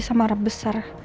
gak ada yang berharap besar